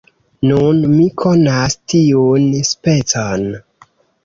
Nun mi konas tiun specon.